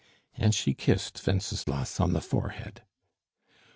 And she kissed Wenceslas on the forehead.